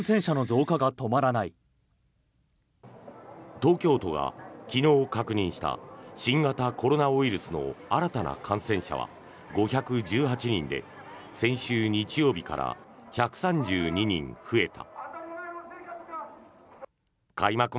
東京都が昨日確認した新型コロナウイルスの新たな感染者は５１８人で先週日曜日から１３２人増えた。